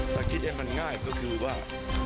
แต่คิดเอ็ดมันง่ายก็คือว่า